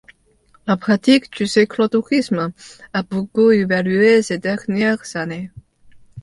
La pratique du cyclotourisme a beaucoup évolué ces dernières années.